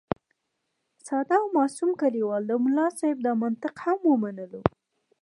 ساده او معصوم کلیوال د ملا صاحب دا منطق هم ومنلو.